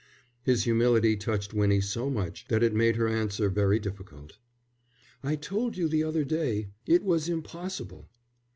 His humility touched Winnie so much that it made her answer very difficult. "I told you the other day it was impossible."